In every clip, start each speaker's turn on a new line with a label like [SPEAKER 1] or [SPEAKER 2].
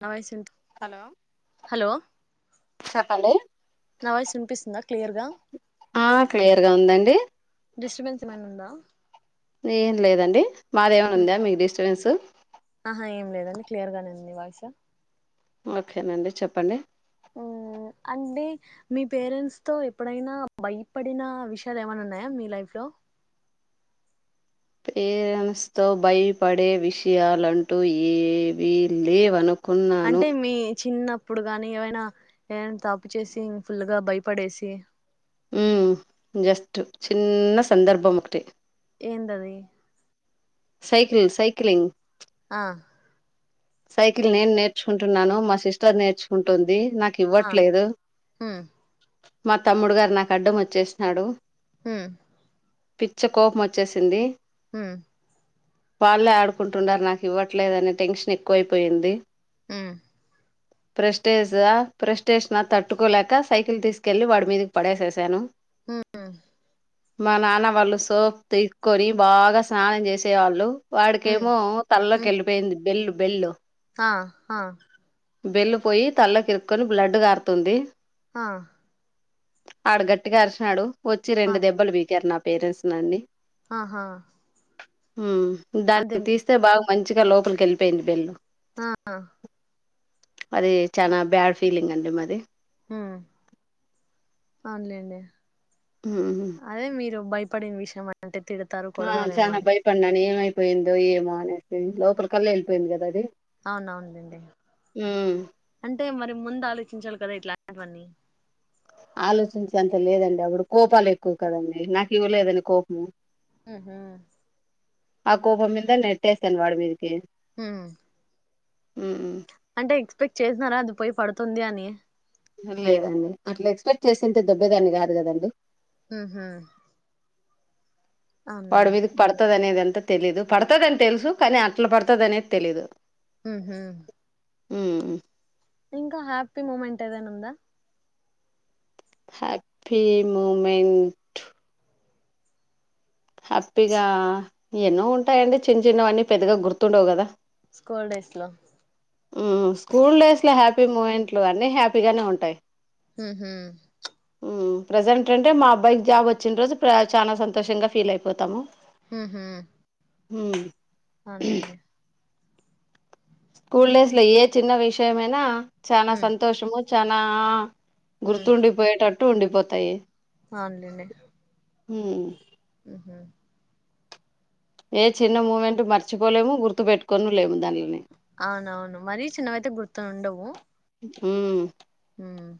[SPEAKER 1] నా voice
[SPEAKER 2] hello
[SPEAKER 1] hello
[SPEAKER 2] చెప్పండి
[SPEAKER 1] నా వాయిస్ వినిపిస్తుందా క్లియర్ గా
[SPEAKER 2] ఆ క్లియర్గా ఉందండి
[SPEAKER 1] డిస్టర్బెన్స్ ఏమైనా ఉందా.
[SPEAKER 2] ఏం లేదండి మాదేమైనా
[SPEAKER 1] ఉమ్
[SPEAKER 2] ఉందా మీకు డిస్టబెన్సు.
[SPEAKER 1] ఆహా ఏం లేదండి క్లియర్ గానేీ మీ వయిసా
[SPEAKER 2] ఓకేనండి చెప్పండి
[SPEAKER 1] అంటే మీ పేరెంట్స్ తో ఎప్పుడైనా భయపడిన విషయాలు ఏమైనా ఉన్నాయా మీ లైఫ్ లో
[SPEAKER 2] పేరెంట్స్ తో భయపడే విషయాలంటూ ఏవీ లేవను
[SPEAKER 1] అంటే మీ చిన్నప్పుడు కాగాని ఏవైనా ఏదైనా తపు చేసి ఇం ఫుల్గా భయపడేసి,
[SPEAKER 2] ఉ జస్ట్ చిన్న సందర్భం ఒకటి.
[SPEAKER 1] ఏందధి
[SPEAKER 2] సైకిల్ సైకిలింగ్
[SPEAKER 1] ఆ
[SPEAKER 2] సైకిల్ నేను నేర్చుకుంటున్నాను మా సిస్టర్ నేర్చుకుంటుంది నాకు
[SPEAKER 1] ఆ
[SPEAKER 2] ఇవ్వట్లేదు
[SPEAKER 1] మ్మ్
[SPEAKER 2] మా తమ్ముడు గారు నాకు అడ్డం వచ్చేసినడు
[SPEAKER 1] హ
[SPEAKER 2] పిచ్చ కోపం వచ్చేసింది
[SPEAKER 1] హ
[SPEAKER 2] వాళ్లే ఆడుకుంటుండారు నాకు ఇవ్వట్లేదునే టెన్షన్ ఎ క్కువైపోయింది.
[SPEAKER 1] హ
[SPEAKER 2] ప్రెస్టేజ ప్రెస్టేష నా తట్టుకోలేక సైకిల్ తీసుకెళ్లి వాడి మీదకి పడేసేసాను.
[SPEAKER 1] ఉ
[SPEAKER 2] మా నాన్న వాళ్ళు సోప్ తీిసుకొని బాగా స్నానం చేసే వాళ్ళు
[SPEAKER 1] మ్మ్
[SPEAKER 2] వాడికేమో తలలోకి వెళ్ళిపోయింది వెెల్ వెళ్ళు
[SPEAKER 1] ఆా హా
[SPEAKER 2] బెల్లు పోయి తల్ల కిరుక్కొని బ్లడ్ కారుతుంది.
[SPEAKER 1] ఆ
[SPEAKER 2] ఆడు గట్టిగా అరిసినాడు వచ్చి
[SPEAKER 1] ఆ
[SPEAKER 2] రెండ దెబల్లు పీకారు నాకు. పేరెంట్స్ నానీ
[SPEAKER 1] ఆహా
[SPEAKER 2] హ
[SPEAKER 1] అదే
[SPEAKER 2] దాన్ని తీస్తే బాగు మంచిగా లోపలికిెలి పెంద బెల్లు
[SPEAKER 1] ఆ
[SPEAKER 2] అది చానా బ్యాడ్ ఫీలింగ్ అండి మాది
[SPEAKER 1] మ్మ్ అవును లెండి అదే మీరు బయ పడిన విషయం అంటే తిడతారు
[SPEAKER 2] ఆ
[SPEAKER 1] కొడతారేమో
[SPEAKER 2] చానా
[SPEAKER 1] అని
[SPEAKER 2] బయపడిన నేను అయ్యి పోయిందో ఏమో అనేసి లోపల కల్లా వెళ్ళిపోయింది కదా అది
[SPEAKER 1] అవునవును లేండి అంటే మరి ముందు ఆలోచించాలి పడి ఇట్లాంటివన్నీ
[SPEAKER 2] ఆలోచించే అంత లేదండి అప్పుడు కోపాలు ఎక్కువ కదండి నాకు ఇవ్వలేదని కోపము
[SPEAKER 1] హ్మ్ హు
[SPEAKER 2] ఆ కోపం మీద నెట్టేస్తాన్ వాడి మీదికి
[SPEAKER 1] మ్మ్ అంటే పెక్ చేసినారా అది పోయి పడుతుంది అని
[SPEAKER 2] ఆహా లేదండి అట్లా ఎక్స్పెక్ట్ చేసేంటే దెబ్బేదాన్ని కాదు కదండి
[SPEAKER 1] హ్మ్ హు
[SPEAKER 2] వాడు వమీదికి పడతాదనేదనా అంత తెలీదు పడతదని తెలుసు కానీ అట్లా పడతది అనేది తెలీదు
[SPEAKER 1] హ్మ్ హు
[SPEAKER 2] మ్మ్
[SPEAKER 1] ఇంకా హ్యాపీ మూమెంట్ ఏదైనా ఉందా
[SPEAKER 2] హ్యాపీ ముూమెంట్ హ్యాపీగా ఎన్నో ఉంటాయండి చిన్న చిన్నవన్నీ పెద్దగా గుర్తుండవు కదా
[SPEAKER 1] స్కూల్ డేస్ లో
[SPEAKER 2] మ్మ్ స్కూల్ డేస్ లో హ్యాపీ మూమెంట్లు అన్ని హ్యాపీగానే ఉంటాయి
[SPEAKER 1] హ్మ్ హు
[SPEAKER 2] మ్మ్ ప్రెజెంట్ అంటే మా అబ్బాయికి జాబ్ వచ్చిన రోజు చాలా సంతోషంగా ఫీల్ అయిపోతాము
[SPEAKER 1] హ్మ్ హు
[SPEAKER 2] మ్మ్
[SPEAKER 1] అవును లేండి
[SPEAKER 2] స్కూల్ డేస్ లో ఏ చిన్న విషయమైనా చానా
[SPEAKER 1] ఉమ్
[SPEAKER 2] సంతోషము చానా గుర్తుండిపోయిటట్ టు ఉండిపోతాయి
[SPEAKER 1] అవును లేండి
[SPEAKER 2] మ్మ్
[SPEAKER 1] మ్మ్
[SPEAKER 2] ఏ చిన్న మూమెంట్ మర్చిపోలేము గుర్తు పెట్టుకోను లేము దానిలని
[SPEAKER 1] అవునవును మరీ చిన్నవయితే గుర్తు ఉండవు ఉ
[SPEAKER 2] మ్మ్
[SPEAKER 1] ఉమ్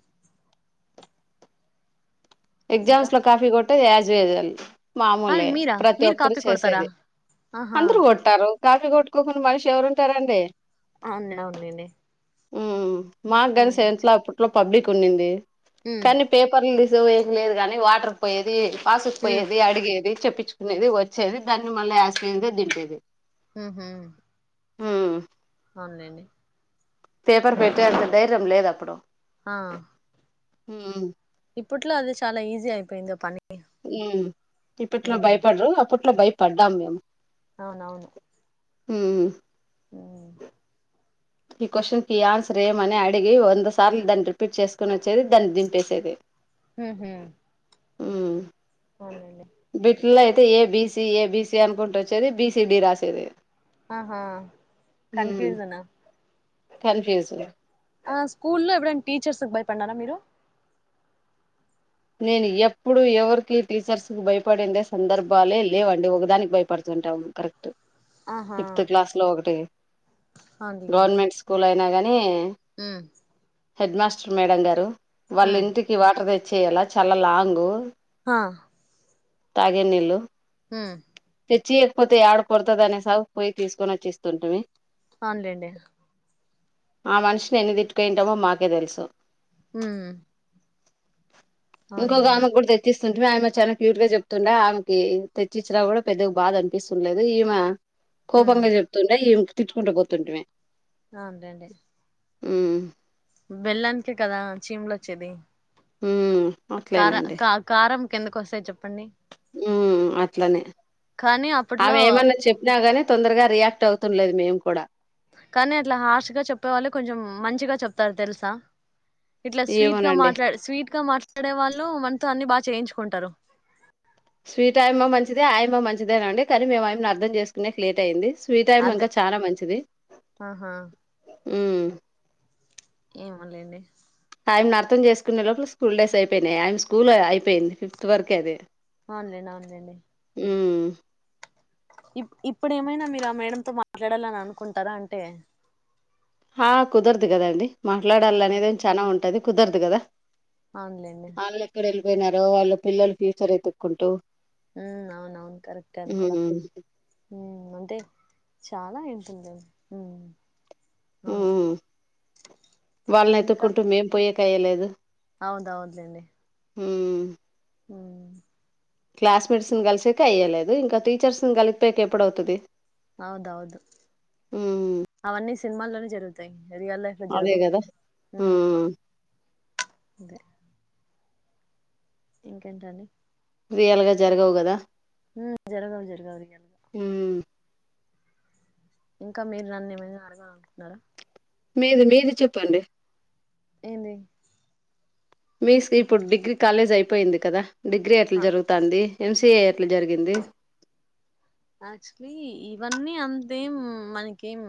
[SPEAKER 2] ఎగ్జామ్స్
[SPEAKER 1] ఇంకా
[SPEAKER 2] లో కాఫీ కొట్ పే యాజేగల్లి
[SPEAKER 1] ఆ
[SPEAKER 2] మామూలే
[SPEAKER 1] మీరా
[SPEAKER 2] ప్రతి
[SPEAKER 1] మీరు
[SPEAKER 2] ఒక్కరు
[SPEAKER 1] కాపీ కొడతారా
[SPEAKER 2] చేసేది
[SPEAKER 1] ఆహా
[SPEAKER 2] అందరూ కొట్టారు కాఫీ కొట్టుకోకుండా మనిషి ఎవరు ఉంటారండి
[SPEAKER 1] అవును అవునులేండి
[SPEAKER 2] మాకుగాని
[SPEAKER 1] ఉమ్
[SPEAKER 2] సెవన్త్ లో అప్పుట్లో పబ్లిక్ ఉనింది
[SPEAKER 1] ఉమ్
[SPEAKER 2] కానీ పేపర్ల తీ జో ఏ లేదు కగాని వాటర్ పోయేది
[SPEAKER 1] ఉమ్
[SPEAKER 2] పాసుకుపోయ్యేది అడిగేది చెప్పిచ్చు తినేది వచ్చేది దాన్ని మళ్ళీ యాసిటీస్ గా దింపేది
[SPEAKER 1] ఊహూ
[SPEAKER 2] హ్మ్
[SPEAKER 1] అవున్లేండి
[SPEAKER 2] పేపర్ పెట్టే అంత ధైర్యం లేదు అప్పుడు
[SPEAKER 1] ఆ
[SPEAKER 2] మ్మ్
[SPEAKER 1] ఇప్పుట్లో అది చాలా ఈజీ అయిపోయిందో పని
[SPEAKER 2] ఉమ్ ఇప్పుట్లో
[SPEAKER 1] ఉమ్
[SPEAKER 2] భయపడరు అప్పుట్లో భయ పడ్డాం మేము
[SPEAKER 1] అవునవును
[SPEAKER 2] హ్మ్
[SPEAKER 1] [unintelligible]
[SPEAKER 2] ఈ క్వశ్చన్ కి ఈ ఆన్సర్ ఏమని అడిగి వంద సార్లు దాన్ని రిపీట్ చేసుకొని వచ్చేది దాన్ని దింపేసేది
[SPEAKER 1] ఊహూ అవున్లేండి
[SPEAKER 2] ట్ ల్లో అయితే A B C A B C అనుకుంట వచ్చేది బీ సి డి రాసేది
[SPEAKER 1] ఆహా కన్ఫ్యూజనా
[SPEAKER 2] కన్ఫ్యూస్
[SPEAKER 1] ఆ స్కూల్లో ఎప్పుడనా టీచర్స్ కు భయపడినారా మీరు
[SPEAKER 2] నేను ఎప్పుడు ఎవరికి టీచర్స్ భయపడిందే సందర్భాలే లేవండి ఒకదానికి భయపడుతుంటా కరెక్
[SPEAKER 1] ఆహా
[SPEAKER 2] ఫిఫ్త్ క్లాస్ లో ఒకటి
[SPEAKER 1] అవునులేండి
[SPEAKER 2] గవర్నమెంట్ స్కూల నాగాని
[SPEAKER 1] [unintelligible]
[SPEAKER 2] హెడ్ మాస్టర్ మేడం గారు వాళ్ళ
[SPEAKER 1] ఉమ్
[SPEAKER 2] ఇంటికి వాటర్ తె చేయలా చాలా లాంగూ
[SPEAKER 1] హా
[SPEAKER 2] తాగే నీల్లు
[SPEAKER 1] హుమ్మ్
[SPEAKER 2] తెచ్చియకపోతే యాడ కొడతదీ అనేసి పోయి తీసుకొచ్చిస్తుంటుంటిమి
[SPEAKER 1] అవునులేండి
[SPEAKER 2] ఆ మనిషిని ఎన్ని తిట్టుకంటామో మాకే తెలుసు
[SPEAKER 1] హ్మ్
[SPEAKER 2] ఇంకోగమే కూడా తెచ్చిస్త స్తుంటిమీ ఆమె చాలా క్యూట్ గా చెప్తుండే ఆమెకి తెచ్చిచ్చినా కూడా పెద్దగా బాధ అనిపిస్తుండలేదు ఈమా
[SPEAKER 1] ఉమ్
[SPEAKER 2] కోపంగా చెప్తుండే ఇమ్ తిట్టుకుంట బోతుంటిమి
[SPEAKER 1] అవునుదండి
[SPEAKER 2] హ్మ్
[SPEAKER 1] బెళ్లానికే కదా చీమలు వచ్చేది
[SPEAKER 2] ఉమ్
[SPEAKER 1] కారా క కారమ్ ఎందుకోస్తాయ్ చెప్
[SPEAKER 2] ఉమ్ అట్లనే
[SPEAKER 1] కానీ అప్పట్లో
[SPEAKER 2] ఆమె ఏమన్నా చెప్పినగాని తొందర్గా రియాక్ క్టవుతుండలేదు మేం కూడా
[SPEAKER 1] కానీ అట్లా హార్ష్ గా చెప్పే వాళ్ళే కొంచెం మంచిగా చెప్తారు తెలుసా ఇట్లా స్వీట్గా
[SPEAKER 2] ఏమోనండి
[SPEAKER 1] మాట్లాడ్ స్వీట్ ట్గా మాట్లాడే వాళ్ళు మనతో అన్ని బాగా చేయించుకుంటారు
[SPEAKER 2] స్వీట్ ఆయమ్మ మంచిదే ఆయమ్మ మంచిదేనండి కానీ మేము అయమ్మి నీ అర్ధం చేసుకునేకి లేట్ అయింది ఫ్రీ టైం
[SPEAKER 1] అదే
[SPEAKER 2] ఇంకా చాలా మంచిది
[SPEAKER 1] ఆహా
[SPEAKER 2] హ్మ్
[SPEAKER 1] ఏమోలేండి
[SPEAKER 2] అయ్యమ్మినీ అర్థం చేసుకునే లోపల స్కూల్ డేస్ అయిపోయినేయి అయ్యమీ స్కూల్ అయిపోయింది ఫిఫ్త్ వరకే అది
[SPEAKER 1] అవున్లెండి అవునులేండి
[SPEAKER 2] ఉహ్మ్
[SPEAKER 1] ఇ ఇప్పుడు ఏమైనా మీరు ఆ మేడంతో మాట్లాడాలని అనుకుంటారా అంటే
[SPEAKER 2] ఆ కుదరదు కద అండి మాట్లాడాల
[SPEAKER 1] ఆ
[SPEAKER 2] అనేది చానా ఉంటది కుదరదు కదా
[SPEAKER 1] అవునులేండి
[SPEAKER 2] పోయినరో వాళ్ళ పిల్లలు ఫ్యూచర్ ఎతుక్కుంటూ
[SPEAKER 1] హ్మ్ అవున్ అవును కరెక్ట్ అది కూడా
[SPEAKER 2] హ్మ్
[SPEAKER 1] హు అంతే చాలా ఉంటుందది
[SPEAKER 2] హ్మ్ వాళ్ళని ఎతుక్కుంటూ మేం పోయే వెయ్యలేదు
[SPEAKER 1] అవునవును లెండి
[SPEAKER 2] హ్మ్ క్లాస్ మేట్స్ ని కలిసేక అయ్యలేదు ఇంకా టీచర్స్ ని కలిపిపోయాక ఎప్పుడవుతుది
[SPEAKER 1] అవుదౌదు
[SPEAKER 2] ఉమ్
[SPEAKER 1] అవన్నీ సినిమాల్లోనే జరుగుతాయి రియల్ లైఫ్ లో
[SPEAKER 2] అదే
[SPEAKER 1] జరగవు
[SPEAKER 2] కదా ఉమ్
[SPEAKER 1] ఇంకేంటండి
[SPEAKER 2] రియల్గా జరగవు గదా
[SPEAKER 1] జరగదు జరగాలి గా
[SPEAKER 2] హ్మ్
[SPEAKER 1] ఇంకా మీరు నన్ను ఏమైనా అడగాలనుకుంటున్నారా
[SPEAKER 2] మీది మీది చెప్పండి
[SPEAKER 1] ఏంది
[SPEAKER 2] మీ [unintelligible] ఇప్పుడు డిగ్రీ కాలేజ్ అయిపోయింది కదా డిగ్రీ ఎట్లా
[SPEAKER 1] ఆ
[SPEAKER 2] జరుగుతాంది ఎంసీఏ ఇట్లా జరిగింది
[SPEAKER 1] యాక్చువలీ ఇవన్నీ అంతేం మనకేం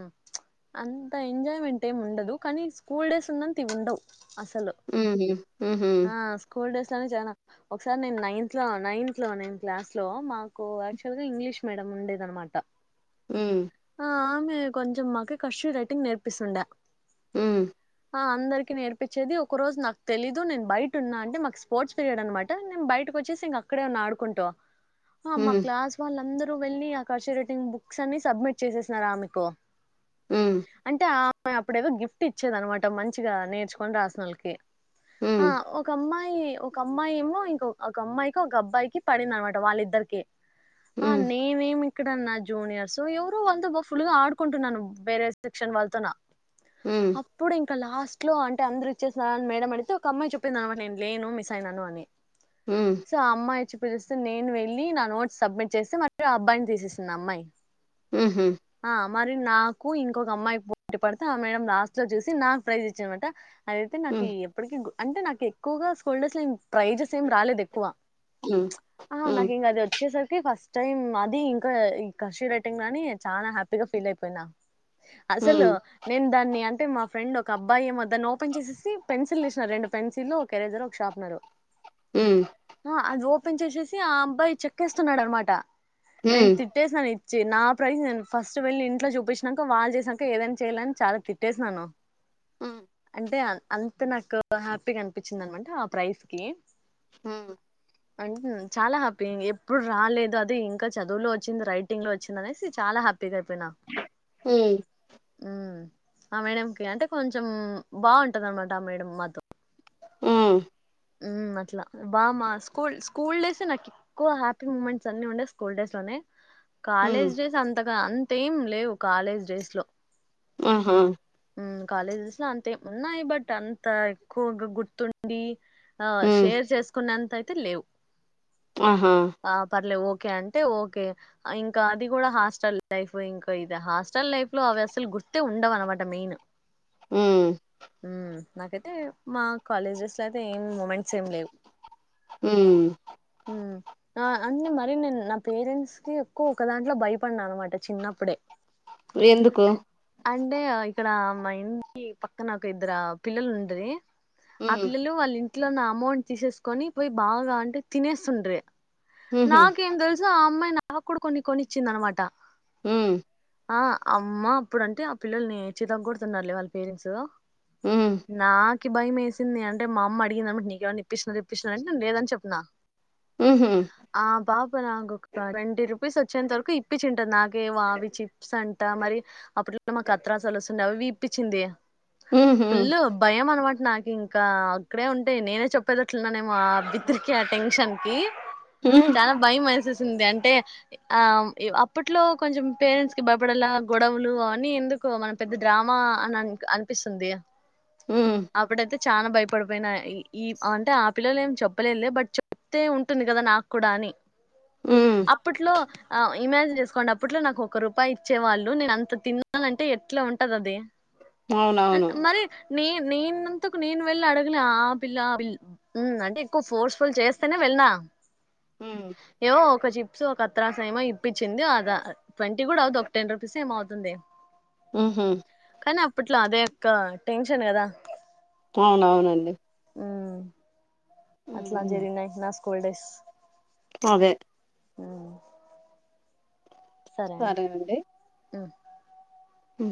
[SPEAKER 1] అంత ఎంజాయ్మెంట్ ఏం ఉండదు కానీ స్కూల్ డేస్ ఉన్నంత ఇవి ఉండవు అసలు
[SPEAKER 2] ఊహూ
[SPEAKER 1] ఆ స్కూల్ డేస్ చానా చానా ఒకసారి నేను నైన్త్ లో నైన్త్ లో నేన్ క్లాస్ లో మాకు యాక్చువల్ గా ఇంగ్లీష్ మీడియం ఉండేది అన్నమాట
[SPEAKER 2] ఉమ్
[SPEAKER 1] ఆ హ్మ్ కొంచెం మాకు కర్సీవ్ రైటింగ్ నేర్పిస్తుండే
[SPEAKER 2] హ్మ్
[SPEAKER 1] ఆ అందరికీ నేర్పించేది ఒక రోజు నాకు తెలీదు దు నేను బయట ఉన్నా అంటే మాకు స్పోర్ట్స్ పీరియడ్ అన్నమాట నేను బయటకు వచ్చేసి ఇంక అక్కడే ఉన్న ఆడుకుంటు ఆ మా
[SPEAKER 2] ఉమ్
[SPEAKER 1] క్లాస్ వాళ్ళందరూ రూ వెళ్ళి ఆ కర్సివ్ రైటింగ్ బుక్స్ అన్ని సబ్మిట్ చేసేసినారు ఆమెకు అంటే ఆ అప్పుడేదో గిఫ్ట్ ఇచ్చేదనమాట మంచిగా నేర్చుకొని రాసినోళ్ళకి
[SPEAKER 2] ఉమ్
[SPEAKER 1] ఆ ఒక అమ్మాయ్ తే ఒక అమ్మాయి ఏమో ఇంకో ఒక అమ్మాయికి ఒక అబ్బాయికి పడింది అన్నమాట వాళ్ళిద్దరికి
[SPEAKER 2] ఉమ్
[SPEAKER 1] ఆ
[SPEAKER 2] ఉమ్
[SPEAKER 1] నేనేమి ఇక్కడ నా జూనియర్స్ ఎవరో వాళ్ళతో బాగా ఫుల్గా ఆడ్కుంటున్న వేరే సెక్షన్ వాల్తో నా
[SPEAKER 2] ఉమ్
[SPEAKER 1] అప్పుడు ఇంకా లాస్ట్ లో అంటే అందరు ఇచ్చేసినారా మేడం అడి ఒక అమ్మాయి చెప్పింద అనమాట నేను లేను మిస్ అయినను అని
[SPEAKER 2] ఉమ్
[SPEAKER 1] సో అమ్మాయ్ పిలుస్తే నేను వెళ్ళి నా నోట్స్ సబ్మిట్ చేసి మరి ఆ అబ్బాయిని తీసేసింది ఆ అమ్మాయి
[SPEAKER 2] హు హా
[SPEAKER 1] ఆ మరి నాకు ఇంకొక అమ్మాయి పోటీ పడితే ఆ మేడమ్ లాస్ట్ లో చూసి నాకు ప్రైజ్ ఇచ్చిందనమాట అదయితే నాకు ఈ అంటే నాకు ఎక్కువగా స్కూల్ డేస్ లో ప్రైజెస్ ఏం రాలేదు ఎక్కువ
[SPEAKER 2] ఉమ్
[SPEAKER 1] ఆహ్
[SPEAKER 2] ఉమ్
[SPEAKER 1] నాకు ఇంగ అది వచ్చేసరికి ఫస్ట్ టైమ్ అది ఇంకా ఈ కషీర్ రైటింగ్ అని చాలా హ్యాపీగా ఫీల్ అయిపోయినా అసలు
[SPEAKER 2] ఉమ్
[SPEAKER 1] నేను దాన్ని అంత మా ఫ్రెండ్ ఒక అబ్బాయి ఏమో దాన్ని ఓపెన్ చేేసేసి పెన్స్ తీసినా రెండు పెన్సిల్ ఒక ఎరేజర్ ఒక షార్పనరు
[SPEAKER 2] ఊ
[SPEAKER 1] అది ఓపెన్ చేసేసి ఆ అబ్బాయి చెక్కేస్తున్నాడు అనమాట నేను
[SPEAKER 2] ఉమ్
[SPEAKER 1] తిట్టేసినాను నా ప్రైజ నేను ఫస్ట్ వెళ్ళి ఇంట్లో చూపించినాక వాళ్ళు చేసినాక ఏదైనా చేయాలని చాలా తిట్టేసినాను.
[SPEAKER 2] ఊ
[SPEAKER 1] అంటే అం అంత నాకు హ్యాపీగా అనిపించింది అనమాట ఆ ప్రైజ్ కి
[SPEAKER 2] హహూ
[SPEAKER 1] అంట చాలా హ్యాపీ ఎప్పుడు రాలేదు అదే ఇంకా చదువులో వచ్చింది రైటింగ్ లో వచ్చింది అనేసి చాలా హ్యాపీ అయిపోయిన
[SPEAKER 2] ఉమ్
[SPEAKER 1] ఊ ఆ మేడకి అంటే కొంచెం బాగుంటది అన్నమాట ఆ మేడం మాతో
[SPEAKER 2] ఊ
[SPEAKER 1] అట్లా బామ్బ స్కూల్ స్కూల్ డేస్ నాకు ఎక్కువ హ్యాపీ మూమెంట్స్ అన్ని ఉండేయి స్కూల్ డేస్ లోనే
[SPEAKER 2] ఉమ్
[SPEAKER 1] కాలేజ్ డేస్ అంతా ఇ అంతేం లేవు కాలేజ్ డేస్ లో
[SPEAKER 2] ఆహా
[SPEAKER 1] కాలేజెస్ లో అంతే ఏం ఉన్నాయి బట్ అంత ఎక్కువగా గుర్తుండి ఆ
[SPEAKER 2] హ్మ్.
[SPEAKER 1] షేర్ చేసుకున్నంత అయితే లేవు
[SPEAKER 2] ఆహా!
[SPEAKER 1] ఆ పర్లే ఓ ఓకే అంటే ఓకే ఇంకా అది కూడా హాస్టల్ లైఫ్ ఇంకా ఇది హాస్టల్ లైఫ్ లో అవి అసలు గుర్తే ఉండవు అనమాట క్రమేణ
[SPEAKER 2] హ్మ్.
[SPEAKER 1] హ నాకైతే మా కాలేజ్ డేస్ లో అయితే ఏం మూమెంట్స్ ఏమి లేవు
[SPEAKER 2] హుమ్
[SPEAKER 1] హ్మ్ ఆ అంటే మరి నేను నా పేరెంట్స్ కి ఎక్కువ ఒక దాంట్లో భయపడినా అనమాట చిన్నప్పుడే
[SPEAKER 2] ఎందుకు
[SPEAKER 1] అన్- అంటే ఆ ఇక్కడ మా ఇంటి పక్కనా ఇద్దరు పిల్లలు ఉంటది ఆ
[SPEAKER 2] హ్మ్.
[SPEAKER 1] పిల్లలు వాళ్ళ ఇ ఇంట్లోన్న అమౌంట్ తీసేసుకొని పోయి బాగా అంటే తినేస్తుండ్ర్రి
[SPEAKER 2] హుహు.
[SPEAKER 1] నాకేం తెలుసు ఆ అమ్మాయ్ నా నాకుడా కొన్ని కొనిచ్చింది అనమాట
[SPEAKER 2] హుమ్
[SPEAKER 1] ఆ అమ్మా అప్పుడు అంటే ఆ పిల్లల్ నీ చితగొడుతున్నారు లే వాళ్ళ పేరెంట్స్
[SPEAKER 2] హ్మ్.
[SPEAKER 1] నా కి భయం ఏసింది అంటే మా అమ్మ అడిగిందనమాట నీకేమన్నా ఇప్పిచినారా ఇప్పినారంటే నేను లేదని చెప్పిన
[SPEAKER 2] హుహు.
[SPEAKER 1] ఆ పాప్ నాకు ఒక ట్వంటీ రూపీస్ వచ్చేంత వరకు ఇప్పిచ్చింటది నాకే అవి చిప్స్ అంట మరి అప్పుడు మాక్ అత్రసలు వ అవవి ఇప్పించింది
[SPEAKER 2] హుహు.
[SPEAKER 1] పుల్ భయం అనమాట నాకు ఇంకా అక్కడే ఉంటే నేనే చెప్పేటట్లున్నానేమో ఆ బిత్రికి ఆ టెన్షన్ కి
[SPEAKER 2] హ్మ్.
[SPEAKER 1] చానా భయ మెసేస్ సింది అంటే ఆ అప్పట్లో కొంచెం పేరెంట్స్ కి భయపడలా గొడవలు అఅవన్నీ ఎందుకో మన పెద్ద డ్రామా అని అ అనిపిస్తుంది
[SPEAKER 2] హ్మ్.
[SPEAKER 1] అప్పుడైతే చాలా భయపడిపోయినా ఈ అంటే ఆ పిల్లలు ఏం చెప్పలేదులే బట్ చెప్తే ఉంటుంది కదా నాకూడా అని
[SPEAKER 2] హ్మ్.
[SPEAKER 1] అప్పట్లో ఆ ఇమాజిన్ చేసుకోండి అప్పట్లో నాకు ఒక రూపాయి ఇచ్చేవాళ్ళు నేను అంత తిన్నానంటే ఎట్లా ఉంటదది అన్
[SPEAKER 2] అవునవును.
[SPEAKER 1] మరి నే నేనంతకు నేను వెళ్ళి అడగలే ఆ పిల్ పిల్ల అంటే ఎక్కువ ఫోర్స్ ఫుల్ చేస్తేనే వెళ్నా
[SPEAKER 2] హ్మ్.
[SPEAKER 1] ఏవో ఒక చిప్స్ ఒక అత్రాస ఏమో ఇప్పించింది అద ట్వంటీ కూడా అవద్ ఒక టెన్ రూపీస్ ఏమో అవుతుంది
[SPEAKER 2] హుమ్ హు
[SPEAKER 1] కాని అప్పట్లో అదే ఒక్క టెన్షన్ కదా
[SPEAKER 2] అవునవునండి
[SPEAKER 1] ఉమ్
[SPEAKER 2] హ్మ్.
[SPEAKER 1] అట్లా
[SPEAKER 2] హ్మ్.
[SPEAKER 1] జరిగినాయి నా స్కూల్ డేస్
[SPEAKER 2] అదే
[SPEAKER 1] హుమ్ సరే అండి ఉ
[SPEAKER 2] ఉ